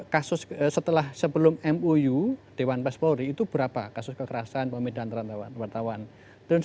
kasus sebelum mou dewan pers polri itu berapa kasus kekerasan pemidanaan wartawan